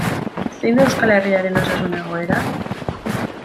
Zein da Euskal Herriaren osasun egoera?